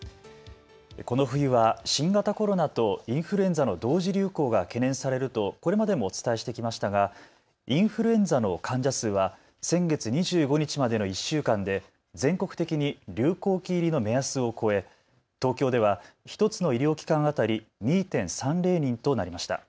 この冬は新型コロナとインフルエンザの同時流行が懸念されると、これまでもお伝えしてきましたがインフルエンザの患者数は先月２５日までの１週間で全国的に流行期入りの目安を超え東京では１つの医療機関当たり２．３０人となりました。